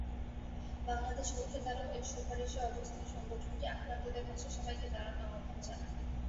বাংলাদেশ রুখে দাঁড়াও-এর সুপারিশএ অবস্থায় সংগঠনটি আক্রান্তদের পাশে সবাইকে দাঁড়ানো আহ্বান জানায়।